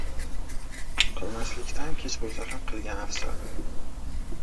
• Qilmaslikdan kech bo‘lsa ham qilgan afzal.